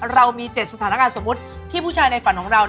เรามี๗สถานการณ์สมมุติที่ผู้ชายในฝันของเรา